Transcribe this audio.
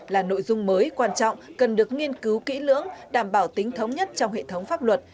là nội dung mới quan trọng cần được nghiên cứu kỹ lưỡng đảm bảo tính thống nhất trong hệ thống pháp luật